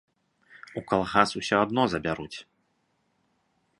У калгас усё адно забяруць.